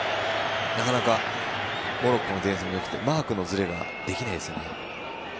なかなかモロッコのディフェンスも良くてマークのずれができないですね。